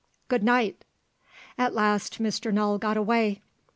Good night!" At last, Mr. Null got away.